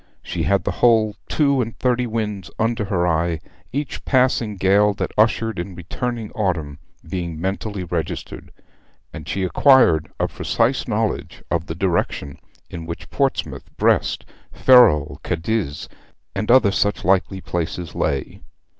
She had the whole two and thirty winds under her eye, each passing gale that ushered in returning autumn being mentally registered; and she acquired a precise knowledge of the direction in which Portsmouth, Brest, Ferrol, Cadiz, and other such likely places lay.